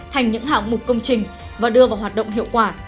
thành những hạng mục công trình và đưa vào hoạt động hiệu quả